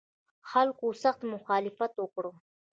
خلکو سخت مخالفت وکړ.